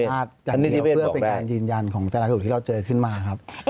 อาจจะเกี่ยวเพื่อเป็นการยืนยันของแต่ละกระดูกที่เราเจอขึ้นมาครับ